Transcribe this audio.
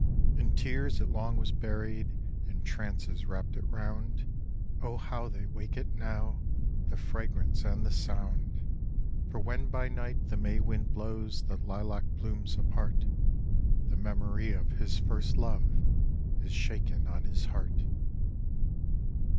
In tears it long was buried, And trances wrapt it round; O how they wake it now, The fragrance and the sound! For when by night the May wind blows The lilac blooms apart, The memory of his first love Is shaken on his heart.